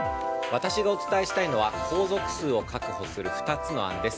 私がお伝えしたいのは皇族数を確保する２つの案です。